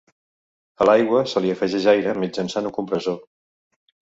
A l'aigua se li afegeix aire mitjançant un compressor.